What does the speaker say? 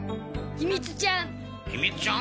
ひみつちゃん？